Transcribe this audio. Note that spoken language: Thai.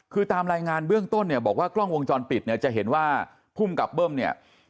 คือตามรายงานเบื้องต้นเนี่ยบอกว่ากล้องวงจรปิดเนี่ยจะเห็นว่าภูมิกับเบิ้มเนี่ย